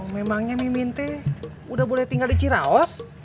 memangnya minta udah boleh tinggal di ciraos